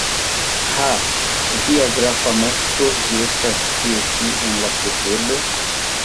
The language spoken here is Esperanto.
Ha, via grafa moŝto, vi estas tie ĉi, en la ĉefurbo?